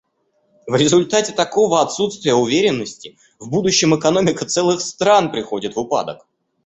В результате такого отсутствия уверенности в будущем экономика целых стран приходит в упадок.